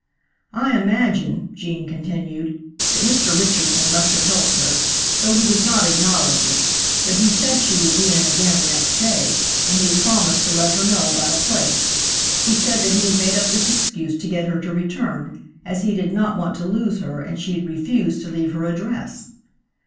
"I imagine," Gene continued, "that Mr. Richardson must have helped her, though he would not acknowledge it; but he said she would be in again the next day, when he had promised to let her know about a place. He said that he had made up this excuse to get her to return, as he did not want to lose her and she had refused to leave her address."